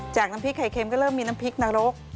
น้ำพริกไข่เค็มก็เริ่มมีน้ำพริกนรก